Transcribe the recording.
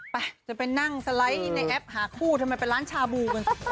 ไปจะไปนั่งสไลด์ในแอปหาคู่ทำไมเป็นร้านชาบูกัน